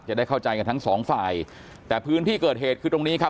จะได้เข้าใจกันทั้งสองฝ่ายแต่พื้นที่เกิดเหตุคือตรงนี้ครับ